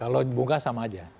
kalau bunga sama aja